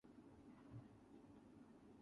Vitale played for Sorrento Youth Sector.